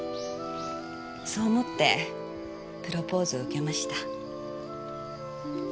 そう思ってプロポーズを受けました。